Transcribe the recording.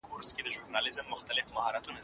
موږ هغه وخت د سیند پر غاړه قدم واهه.